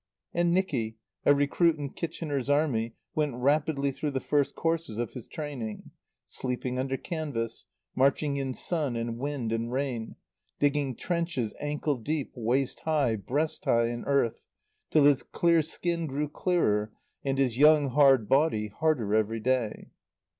And Nicky, a recruit in Kitchener's Army, went rapidly through the first courses of his training; sleeping under canvas; marching in sun and wind and rain; digging trenches, ankle deep, waist high, breast high in earth, till his clear skin grew clearer, and his young, hard body harder every day.